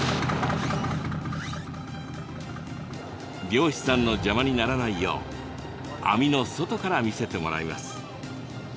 漁師さんの邪魔にならないよう網の外から見せてもらいます。